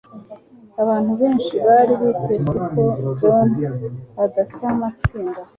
abantu benshi bari biteze ko john adams atsinda